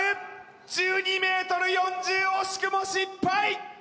森渉１２ｍ４０惜しくも失敗！